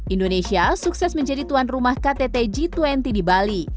indonesia sukses menjadi tuan rumah ktt g dua puluh di bali